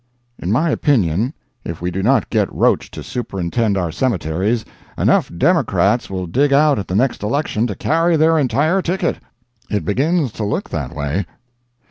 In my opinion, if we do not get Roach to superintend our cemeteries, enough Democrats will dig out at the next election to carry their entire ticket. It begins to look that way.